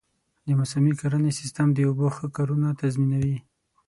د موسمي کرنې سیستم د اوبو ښه کارونه تضمینوي.